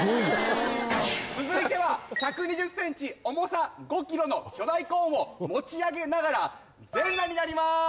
続いては１２０ｃｍ重さ５ｋｇの巨大コーンを持ち上げながら全裸になります